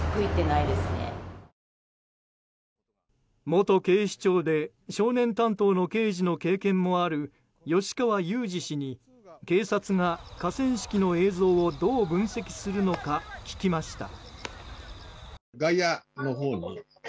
元警視庁で少年担当の刑事の経験もある吉川祐二氏に警察が河川敷の映像をどう分析するのか聞きました。